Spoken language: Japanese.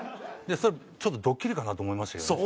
それちょっとドッキリかなと思いましたけどね。